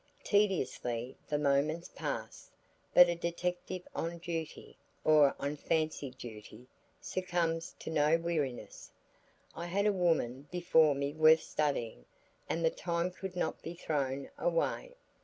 Tediously the moments passed; but a detective on duty, or on fancied duty, succumbs to no weariness. I had a woman before me worth studying and the time could not be thrown away.